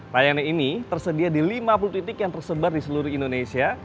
layanan ini tersedia di lima puluh titik yang tersebar di seluruh indonesia